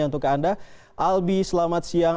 untuk anda albi selamat siang